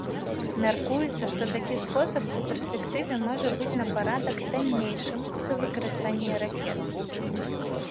Мяркуецца, што такі спосаб у перспектыве можа быць на парадак таннейшым за выкарыстанне ракет.